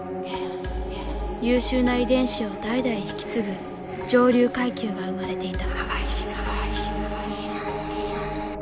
優秀な遺伝子を代々引き継ぐ上流階級が生まれていた。